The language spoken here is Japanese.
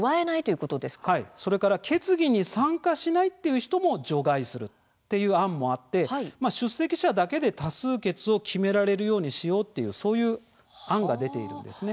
それから決議に参加しないという人も除外するという案もあって出席者だけで多数決を決められるようにしようという案が出ています。